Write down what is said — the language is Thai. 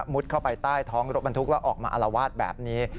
เข้าไปใต้ท้องรถบรรทุกแล้วออกมาอารวาสแบบนี้